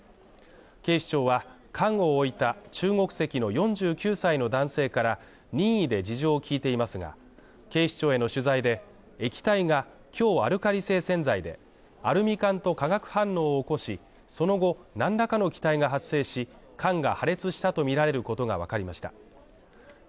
警視庁は、缶を置いた中国籍の４９歳の男性から任意で事情を聞いていますが、警視庁への取材で、液体が強アルカリ性洗剤でアルミ缶と化学反応を起こし、その後何らかの気体が発生し、缶が破裂したとみられることがわかりました。